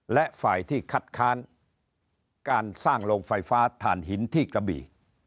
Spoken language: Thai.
และฝ่ายที่คัดค้านการสร้างโรงไฟฟ้าถ่านหินที่กระบี่